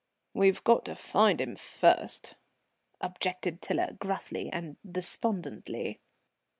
"We've got to find him first," objected Tiler gruffly and despondently.